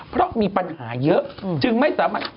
เพราะมีปัญหาเยอะจึงไม่สามารถ